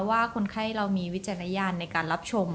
ว่าคนไข้เรามีวิจารณญาณในการรับชม